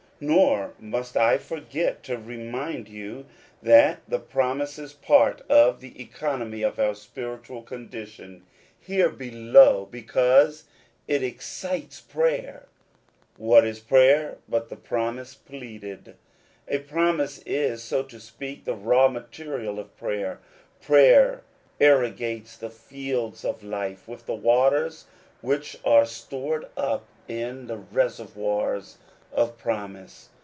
Nor must I forget to remind you, that tite promise is part of the economy of our spiritual condition here below because it excites prayer. What is prayer but the promise pleaded? A promise is, so to speak, the raw material of prayer. Prayer irrigates the fields of life with the waters which are stored up in the reservoirs of promise.